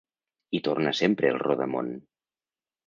Hi torna sempre el rodamón.